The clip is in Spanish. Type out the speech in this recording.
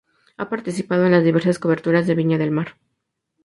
Ha participado en las diversas coberturas de viña del Mar.